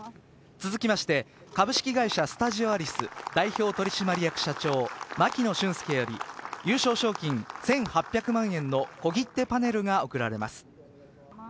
続きまして株式会社スタジオアリス代表取締役社長牧野俊介より優勝賞金１８００万円の小切手パネルが贈られます。